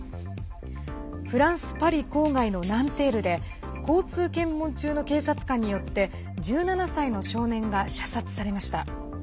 フランス・パリ郊外のナンテールで交通検問中の警察官によって１７歳の少年が射殺されました。